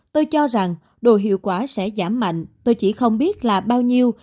tôi cho rằng đồ hiệu quả sẽ giảm mạnh tôi chỉ không biết là bao nhiêu